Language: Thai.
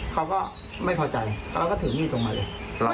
เขาก็ไม่พอใจเขาก็ถือมีดลงมาเลย